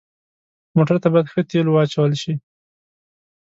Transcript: موټر ته باید ښه تیلو واچول شي.